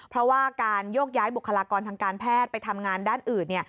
เพราะว่าการโยกย้ายบุคลากรทางการแพทย์ไปทำงานด้านอื่น